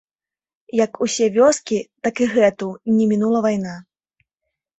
Як усе вёскі, так і гэту, не мінула вайна.